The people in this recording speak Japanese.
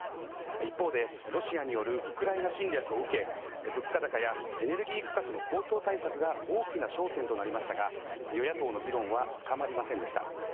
一方で、ロシアによるウクライナ侵略を受け、物価高や、エネルギー価格の高騰対策が大きな焦点となりましたが、与野党の議論は深まりませんでした。